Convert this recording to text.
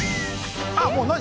あっもう何？